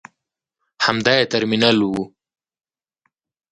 همدا یې ترمینل و.